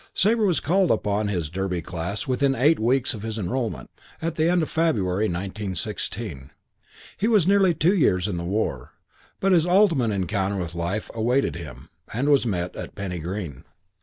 Sabre was called up in his Derby Class within eight weeks of his enrolment, at the end of February, 1916. He was nearly two years in the war; but his ultimate encounter with life awaited him, and was met, at Penny Green.